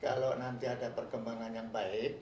kalau nanti ada perkembangan yang baik